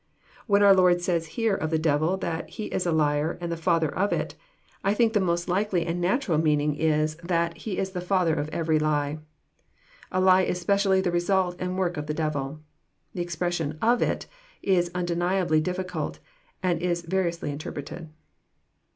When our Lord says here of the devil, that "he is a liar and the father of it," I think the most likely and natural meaning is, that " he Is the father of every lie." A lie is specially the result and work of the devil. The expression " of it" is undeniably difficult, and is variously interpreted.